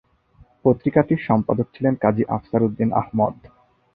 পত্রিকাটির সম্পাদক ছিলেন কাজী আফসার উদ্দীন আহমদ।